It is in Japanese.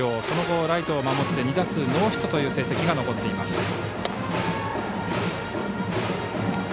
その後、ライトを守って２打数ノーヒットという成績が残っています。